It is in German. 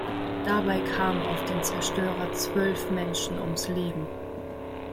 Dabei kamen auf dem Zerstörer zwölf Menschen ums Leben.